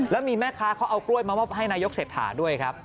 แล้วมีแม่ค้าเขาเอากล้วยมามอบให้นายกเศรษฐาด้วยครับ